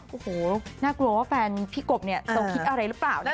โอ้โหน่ากลัวว่าแฟนพี่กบเนี่ยจะคิดอะไรหรือเปล่านะคะ